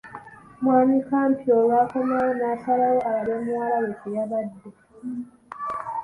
Mwami Kampi olwakomawo n’asalawo alabe muwalawe kye yabadde.